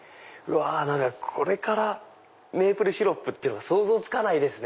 これからメープルシロップっていうのが想像つかないですね。